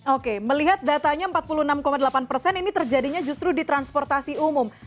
oke melihat datanya empat puluh enam delapan persen ini terjadinya justru di transportasi umum